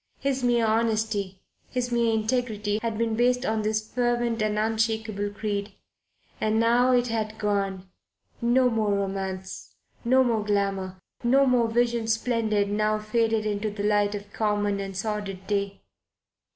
His mere honesty, his mere integrity, had been based on this fervent and unshakable creed. And now it had gone. No more romance. No more glamour. No more Vision Splendid now faded into the light of common and sordid day.